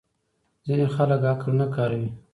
ځینې خلک عقل نه کاروي.